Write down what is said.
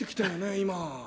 今。